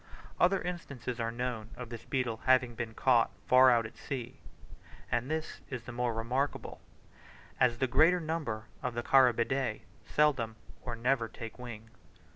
Other instances are known of this beetle having been caught far out at sea; and this is the more remarkable, as the greater number of the Carabidae seldom or never take wing.